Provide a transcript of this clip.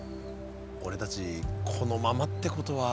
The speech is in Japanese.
俺たちこのままってことは。